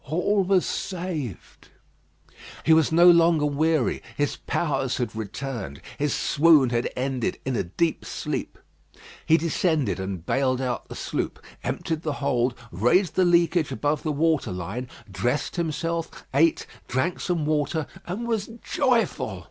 All was saved. He was no longer weary. His powers had returned. His swoon had ended in a deep sleep. He descended and baled out the sloop, emptied the hold, raised the leakage above the water line, dressed himself, ate, drank some water, and was joyful.